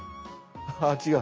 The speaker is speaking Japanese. あ違う。